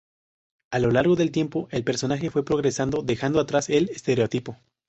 A lo largo del tiempo el personaje fue progresando, dejando atrás el estereotipo.